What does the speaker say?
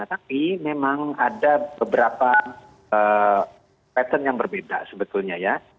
tapi memang ada beberapa pattern yang berbeda sebetulnya ya